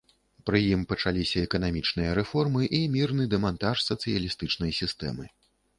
Пры ім пачаліся эканамічныя рэформы і мірны дэмантаж сацыялістычнай сістэмы.